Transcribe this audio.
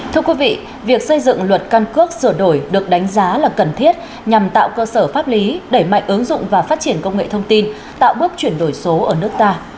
thưa quý vị việc xây dựng luật căn cước sửa đổi được đánh giá là cần thiết nhằm tạo cơ sở pháp lý đẩy mạnh ứng dụng và phát triển công nghệ thông tin tạo bước chuyển đổi số ở nước ta